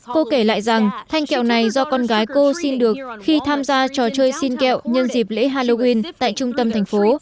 cô kể lại rằng thanh kẹo này do con gái cô xin được khi tham gia trò chơi xin kẹo nhân dịp lễ halloween tại trung tâm thành phố